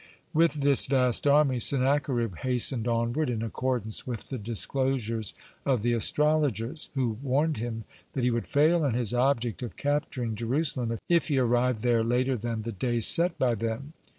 (52) With this vast army Sennacherib hastened onward, in accordance with the disclosures of the astrologers, who warned him that he would fail in his object of capturing Jerusalem, if he arrived there later than the day set by them.